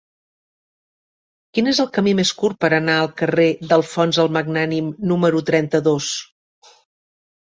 Quin és el camí més curt per anar al carrer d'Alfons el Magnànim número trenta-dos?